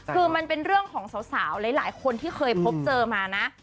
คือมันเป็นเรื่องของสาวหลายคนที่เคยพบเจอมานะ